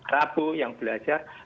rabu yang belajar